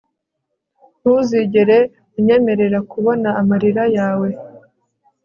ntuzigera unyemerera kubona amarira yawe